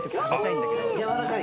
やわらかい？